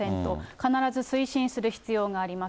必ず推進する必要があります。